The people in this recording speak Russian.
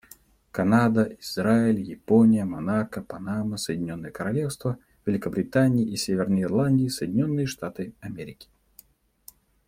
Канада, Израиль, Япония, Монако, Панама, Соединенное Королевство Великобритании и Северной Ирландии, Соединенные Штаты Америки.